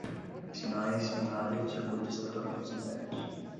sinais, binário, circuitos eletrônicos internos